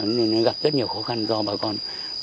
nó gặp rất nhiều khó khăn do bà con